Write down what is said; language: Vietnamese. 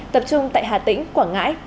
tập trung tại hà tĩnh quảng ngãi